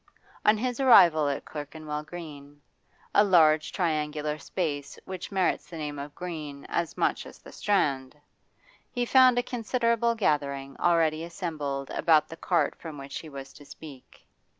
On his arrival at Clerkenwell Green a large triangular space which merits the name of Green as much as the Strand he found a considerable gathering already assembled about the cart from which he was to speak.